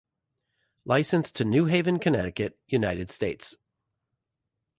Licensed to New Haven, Connecticut, United States.